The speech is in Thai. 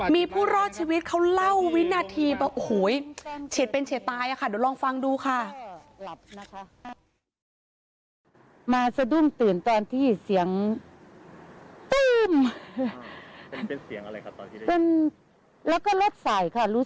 มีผู้รอดชีวิตเขาเล่าวินาทีโอ้โหยเฉดเป็นเฉดตายอ่ะค่ะ